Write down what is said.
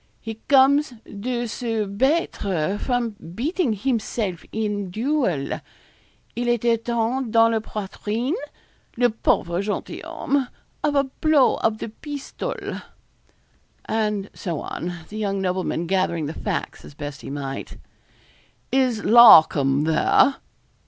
He comes de se battre from beating himself in duel il a été atteint dans la poitrine le pauvre gentil homme! of a blow of the pistol.' And so on, the young nobleman gathering the facts as best he might. 'Is Larcom there?'